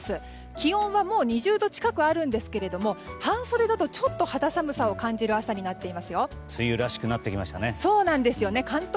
気温はもう２０度近くあるんですけども半袖だとちょっと肌寒さを感じる朝になっていますよ。